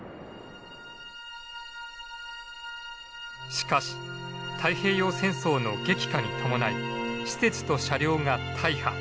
しかし太平洋戦争の激化に伴い施設と車両が大破。